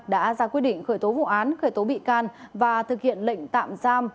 đã ra quyết định khởi tố vụ án khởi tố bị can và thực hiện lệnh tạm giam